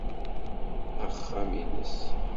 Axxam ines.